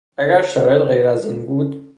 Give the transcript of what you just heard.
اگر شرایط غیر از این بود